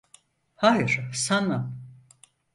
Hayır, sanmam.